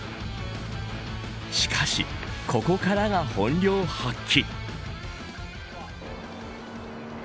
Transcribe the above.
しかし、ここからが本領発揮。